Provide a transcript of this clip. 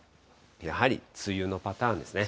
やはり梅雨のパターンですね。